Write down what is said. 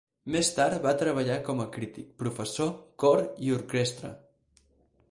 Més tard va treballar com a crític, professor, cor i orquestra.